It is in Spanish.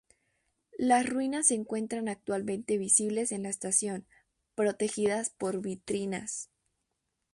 Las ruinas se encuentran actualmente visibles en la estación, protegidas por vitrinas.